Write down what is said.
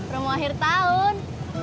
rumah akhir tahun